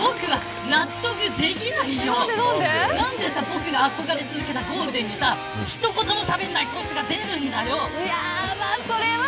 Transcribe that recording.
なんで、なんでなんで僕が憧れ続けたゴールデンに一言もしゃべらないこいつが出るんだよ。